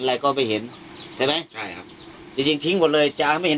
อะไรก็ไม่เห็นใช่ไหมใช่ครับจริงจริงทิ้งหมดเลยจางไม่เห็น